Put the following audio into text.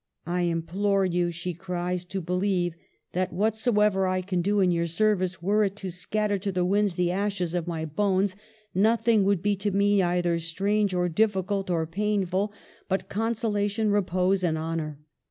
" I implore you," she cries, '' to believe that whatsoever I can do in your service, were it to scatter to the winds the ashes of my bones, nothing would be to me either strange, or difficult, or painful, but conso lation, repose, and honor.